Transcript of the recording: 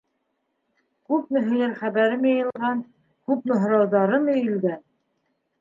Күпме һөйләр хәбәрем йыйылған, күпме һорауҙарым өйөлгән!